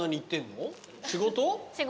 仕事？